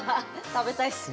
食べたいっすね。